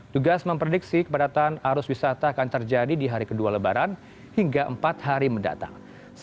tugas memprediksi kepadatan arus wisata akan terjadi di hari kedua lebaran hingga empat hari mendatang